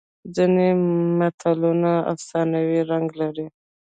ځینې متلونه افسانوي رنګ لري